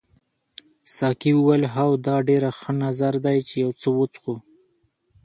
ساقي وویل هو دا ډېر ښه نظر دی چې یو څه وڅښو.